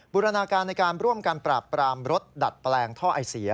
ูรณาการในการร่วมกันปราบปรามรถดัดแปลงท่อไอเสีย